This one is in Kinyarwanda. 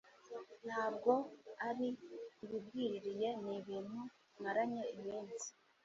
ntabwo ari ibigwiririye ni ibintu maranye iminsi